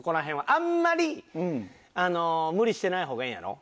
あんまり無理してない方がええんやろ？